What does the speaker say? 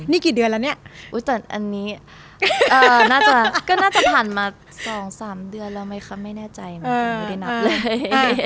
นี่กี่เดือนแล้วเนี่ยอันนี้น่าจะผ่านมา๒๓เดือนแล้วไหมคะไม่แน่ใจเหมือนกันไม่ได้นับเลย